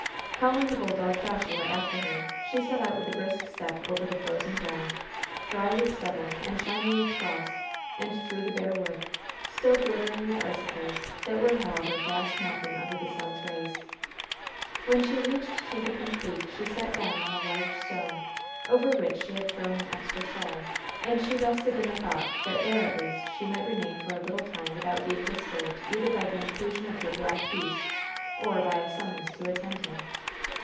Calling the bulldog, Joshua, after her, she set out with a brisk step over the frozen ground, dry with stubble and shining with frost, and through the bare wood, still glittering with icicles, that were, however, fast melting under the sun's rays. When she reached Chincapin Creek she sat down on a large stone, over which she had thrown an extra shawl, and she rested in the thought that there at least she might remain for a little time without being disturbed either by the intrusion of her "black beast" or by a summons to attend him.